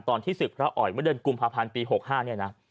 ตอนที่ศึกพระอ๋อยเมื่อเดือนกุมภาพันธ์ปี๖๕เนี่ยนะ